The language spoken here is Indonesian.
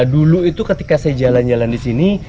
dulu itu ketika saya jalan jalan di sini